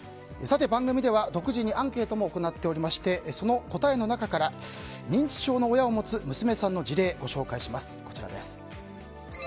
番組では独自にアンケートも行っておりましてその答えの中から認知症の親を持つ娘さんの事例をご紹介します。